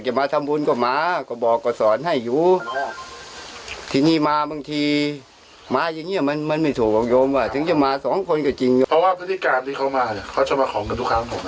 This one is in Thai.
เพราะว่าพฤติการที่เขามาเขาจะมาของกันทุกครั้งเหรอไหม